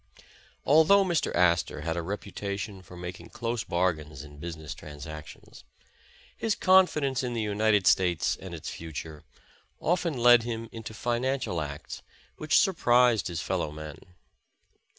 Although Mr. Astor had a reputation for making close bar5::ains in business transactions, his confidence in the United States and its future, often led him into financial acts which surprised his fello^\^nen.